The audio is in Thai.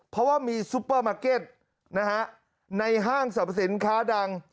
เพราะว่ามีซุปเปอร์มาร์เก็ตนะฮะในห้างสรรพสินค้าดัง